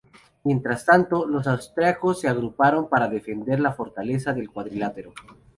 Mientras tanto, los austríacos se agruparon para defender la Fortaleza del Cuadrilátero.